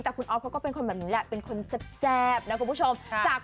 แต่คุณอ๊อฟเขาก็เป็นคนแบบนี้แหละเป็นคนแซ่บนะคุณผู้ชม